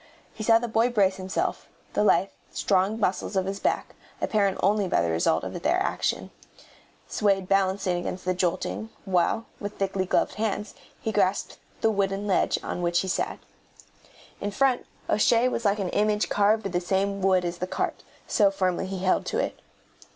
He saw the boy brace himself, the lithe, strong muscles of his back, apparent only by the result of their action, swayed balancing against the jolting, while, with thickly gloved hands, he grasped the wooden ledge on which he sat. In front O'Shea was like an image carved of the same wood as the cart, so firmly he held to it.